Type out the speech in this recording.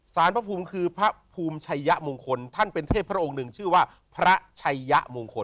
พระภูมิคือพระภูมิชัยยะมงคลท่านเป็นเทพพระองค์หนึ่งชื่อว่าพระชัยยะมงคล